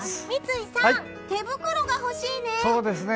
三井さん、手袋が欲しいね！